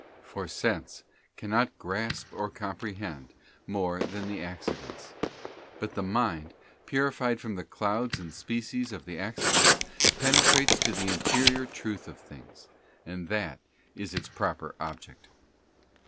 For sense cannot grasp or comprehend more than the accidents, but the mind, purified from the clouds and species of the accidents, penetrates to the interior truth of things, for that is its proper object.